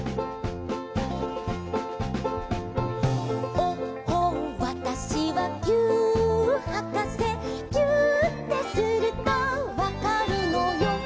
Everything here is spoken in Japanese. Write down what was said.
「おっほんわたしはぎゅーっはかせ」「ぎゅーってするとわかるのよ」